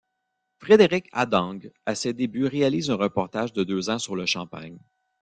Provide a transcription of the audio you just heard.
Frédéric Hadengue à ses débuts réalise un reportage de deux ans sur le Champagne.